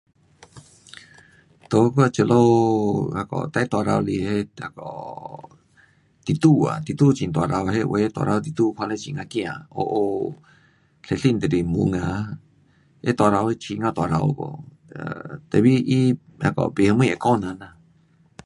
um 在我这里，那个最大只是那个 um 蜘蛛啊，蜘蛛很大只，那有的大只蜘蛛看了非常怕 um 黑黑身体都是毛啊，那大只的很呀大只 [um][um]tapi 它那个没什么会咬人呐。